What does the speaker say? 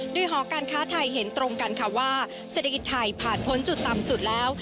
โดยหอการค้าไทยเห็นตรงกันค่ะว่าเศรษฐกิจไทยผ่านพ้นจุดต่ำสุดแล้ว